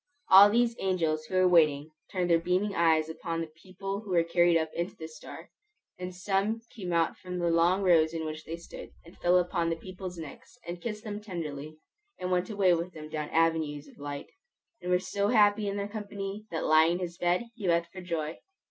All these angels who were waiting turned their beaming eyes upon the people who were carried up into the star; and some came out from the long rows in which they stood, and fell upon the people's necks, and kissed them tenderly, and went away with them down avenues of light, and were so happy in their company, that lying in his bed he wept for joy.